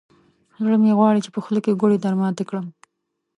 زړه مې غواړي، په خوله کې ګوړې درماتې کړم.